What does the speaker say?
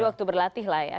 waktu berlatih lah ya